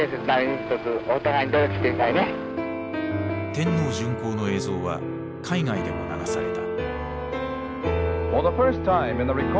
天皇巡幸の映像は海外でも流された。